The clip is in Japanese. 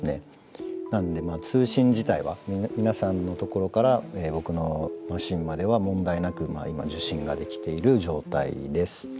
なんで通信自体は皆さんのところから僕のマシーンまでは問題なく今受信ができている状態です。